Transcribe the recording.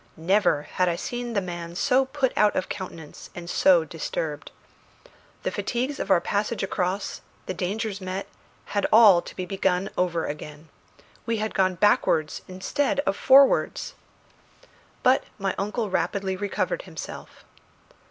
Never had I seen the man so put out of countenance and so disturbed. The fatigues of our passage across, the dangers met, had all to be begun over again. We had gone backwards instead of forwards! But my uncle rapidly recovered himself.